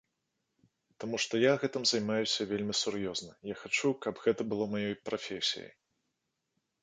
Таму што я гэтым займаюся вельмі сур'ёзна, я хачу, каб гэта было маёй прафесіяй.